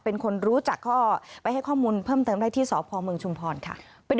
เป็นคนรู้จักก็ไปให้ข้อมูลเพิ่มเติมได้ที่สพเมืองชุมพรค่ะ